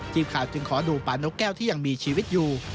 ทีมข่าวจึงขอดูป่านกแก้วที่ยังมีชีวิตอยู่